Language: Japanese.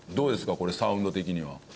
これサウンド的には。